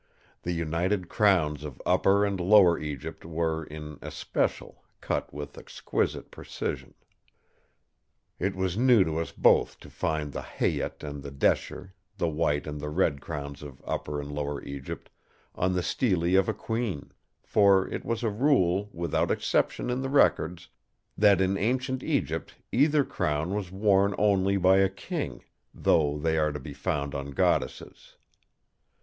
The united Crowns of Upper and Lower Egypt were, in especial, cut with exquisite precision. It was new to us both to find the Hejet and the Desher—the White and the Red crowns of Upper and Lower Egypt—on the Stele of a queen; for it was a rule, without exception in the records, that in ancient Egypt either crown was worn only by a king; though they are to be found on goddesses.